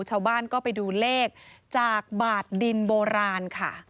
ชาวบ้านก็ไปดูเลขจากบาดดินโบราณค่ะ